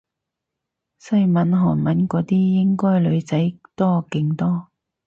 西文韓文嗰啲應該女仔多勁多